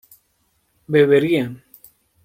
beberían